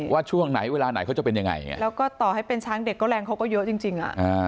ช่วงไหนเวลาไหนเขาจะเป็นยังไงแล้วก็ต่อให้เป็นช้างเด็กก็แรงเขาก็เยอะจริง